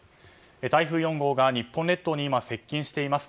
台風４号が日本列島に接近しています。